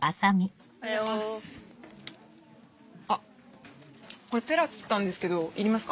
あっこれペラ刷ったんですけどいりますか？